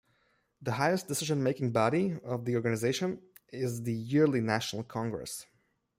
The highest decision-making body of the organisation is the yearly national congress.